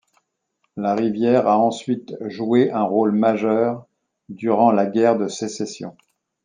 La rivière a ensuite joué un rôle majeur durant la Guerre de Sécession.